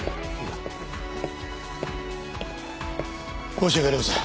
申し訳ありません。